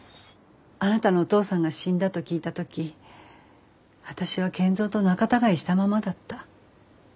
あなたのお父さんが死んだと聞いた時私は賢三と仲たがいしたままだった。